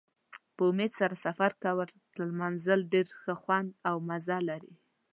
په امید سره سفر کول تر منزل ډېر ښه خوند او مزه لري.